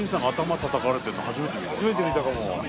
初めて見たかも。